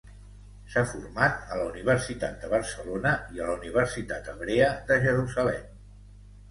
S'ha format a la Universitat de Barcelona i a la Universitat Hebrea de Jerusalem.